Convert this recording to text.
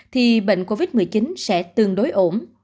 thì bệnh covid một mươi chín sẽ tương đối ổn